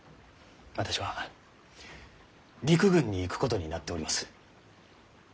私は陸軍に行くことになっております。